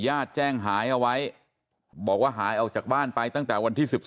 แจ้งหายเอาไว้บอกว่าหายออกจากบ้านไปตั้งแต่วันที่๑๒